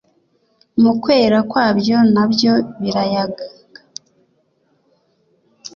mu kwera kwabyo na byo birayanga